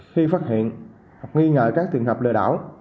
khi phát hiện nghi ngờ các trường hợp lừa đảo